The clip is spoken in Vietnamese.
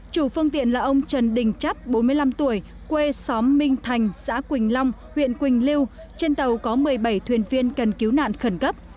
chủ phương tiện là ông trần đình chắt bốn mươi năm tuổi quê xóm minh thành xã quỳnh long huyện quỳnh lưu trên tàu có một mươi bảy thuyền viên cần cứu nạn khẩn cấp